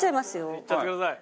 いっちゃってください。